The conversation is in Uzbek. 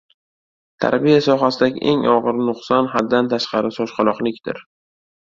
Tarbiya sohasidagi eng og‘ir nuqson haddan tashqari shoshqaloqlikdir.